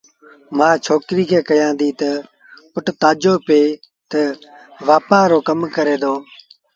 مآ ڇوڪري کي ڪهيآݩديٚ تا پُٽ تآجو پي تا وآپآر رو ڪم ڪرتو